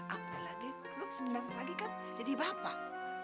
apalagi lo sebentar lagi kan jadi bapak